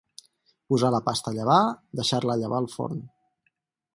Posar la pasta a llevar, deixar-la llevar al forn.